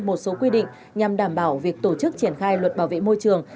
một số quy định nhằm đảm bảo việc tổ chức triển khai luật bảo vệ môi trường